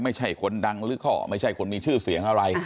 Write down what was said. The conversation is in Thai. ไม่ใช่คนดังหรือข้อไม่ใช่คนมีชื่อเสียงอะไร